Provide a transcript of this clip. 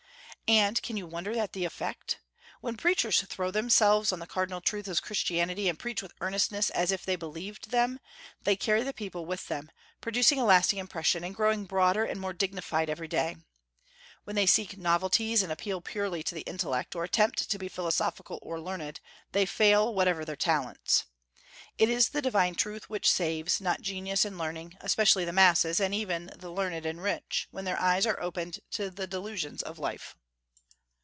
And can you wonder at the effect? When preachers throw themselves on the cardinal truths of Christianity, and preach with earnestness as if they believed them, they carry the people with them, producing a lasting impression, and growing broader and more dignified every day. When they seek novelties, and appeal purely to the intellect, or attempt to be philosophical or learned, they fail, whatever their talents. It is the divine truth which saves, not genius and learning, especially the masses, and even the learned and rich, when their eyes are opened to the delusions of life.